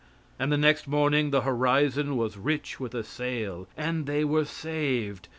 And the next morning the horizon was rich with a sail, and they were saved.